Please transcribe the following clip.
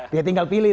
dia tinggal pilih